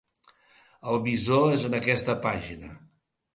El visor és en aquesta pàgina.